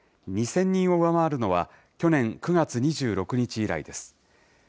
２０００人を上回るのは、去年９月２６日以来です。